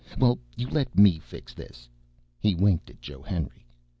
Well, you let me fix this." He winked at Joe Henry.